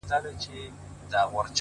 فقير نه يمه سوالگر دي اموخته کړم;